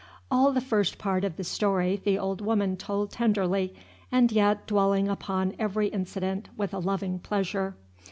All the first part of the story the old woman told tenderly, and yet dwelling upon every incident with a loving pleasure.